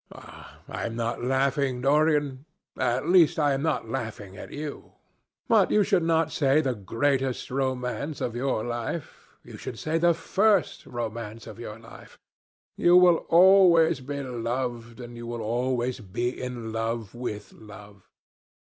"I am not laughing, Dorian; at least I am not laughing at you. But you should not say the greatest romance of your life. You should say the first romance of your life. You will always be loved, and you will always be in love with love.